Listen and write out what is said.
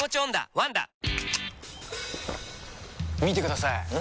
見てください！